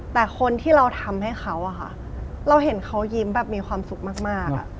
แต่คนที่เราทำให้เขาอะค่ะเราเห็นเขายิ้มแบบมีความสุขมาก